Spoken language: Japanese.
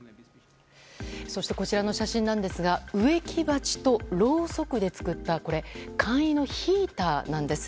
こちらの写真なんですが植木鉢とろうそくで作った簡易のヒーターなんです。